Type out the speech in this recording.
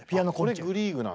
これグリーグなんだ。